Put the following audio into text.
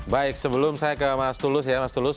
baik sebelum saya ke mas tulus ya mas tulus